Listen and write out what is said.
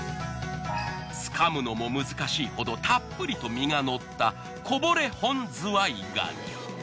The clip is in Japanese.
つかむのも難しいほどたっぷりと身がのったこぼれ本ズワイガニ。